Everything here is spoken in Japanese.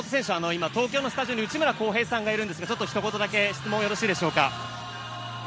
今、東京のスタジオに内村航平さんがいるんですがひと言だけ質問よろしいでしょうか。